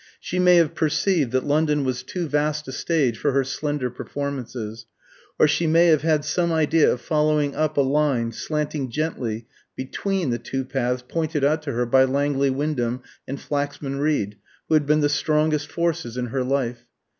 She may have perceived that London was too vast a stage for her slender performances; or she may have had some idea of following up a line slanting gently between the two paths pointed out to her by Langley Wyndham and Flaxman Reed, who had been the strongest forces in her life.